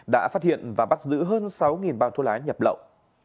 đã phát hiện và bắt giữ hơn sáu bao thu lãi nhập lậu